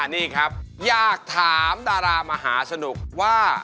นี่ครับอยากถามดารามหาสนุกว่า